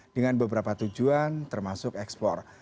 dengan beberapa tujuan termasuk ekspor